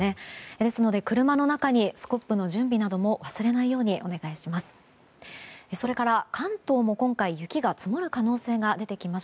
ですので車の中にスコップの準備なども忘れないようにお願いします。